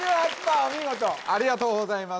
お見事ありがとうございます